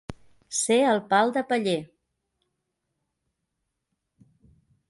Ser el pal de paller.